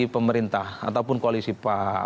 pemerintah ataupun koalisi pak